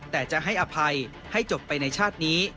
แต่จะให้อภัยให้จบไปในชาตินี้